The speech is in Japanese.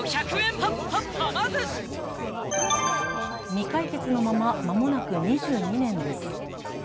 未解決のまま間もなく２２年です。